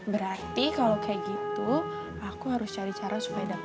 berarti kalau kayak gitu aku harus cari cara supaya dapetin dia lagi